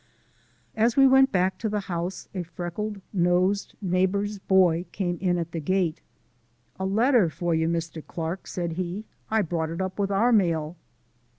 As we went back to the house, a freckled nosed neighbour's boy came in at the gate. "A letter for you, Mr. Clark," said he. "I brought it up with our mail."